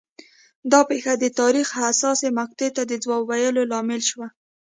دا پېښه د تاریخ حساسې مقطعې ته د ځواب ویلو لامل شوه